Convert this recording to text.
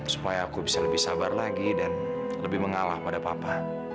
supaya aku bisa lebih sabar lagi dan lebih mengalah pada papa